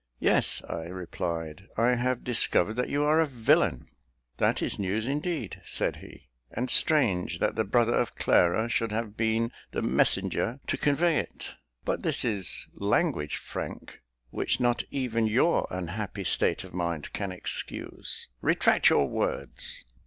"Yes," I replied, "I have discovered that you are a villain!" "That is news, indeed," said he; "and strange that the brother of Clara should have been the messenger to convey it; but this is language, Frank, which not even your unhappy state of mind can excuse. Retract your words."